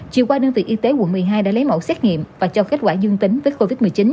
chiều qua đơn vị y tế quận một mươi hai đã lấy mẫu xét nghiệm và cho kết quả dương tính với covid một mươi chín